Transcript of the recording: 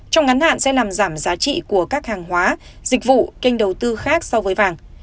trong ngắn hạn sẽ làm giảm giá trị của các hàng hóa dịch vụ kênh đầu tư khác so với vàng